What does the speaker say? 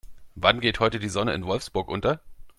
Wann geht heute die Sonne in Wolfsburg unter?